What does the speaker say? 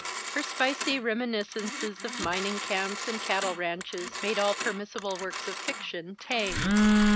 Her spicy reminiscences of mining camps and cattle ranches made all permissible works of fiction tame.